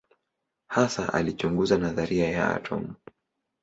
Hasa alichunguza nadharia ya atomu.